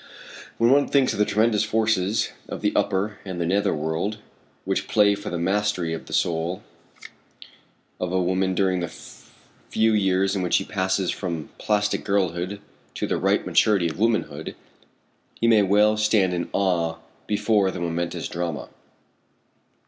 When one thinks of the tremendous forces of the upper and the nether world which play for the mastery of the soul of a woman during the few years in which she passes from plastic girlhood to the ripe maturity of womanhood, he may well stand in awe before the momentous drama.